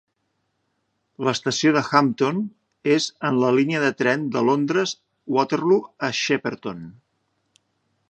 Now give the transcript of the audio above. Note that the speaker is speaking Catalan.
L'estació de Hampton és en la línia de tren de Londres Waterloo a Shepperton.